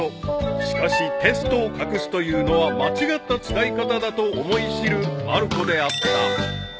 ［しかしテストを隠すというのは間違った使い方だと思い知るまる子であった］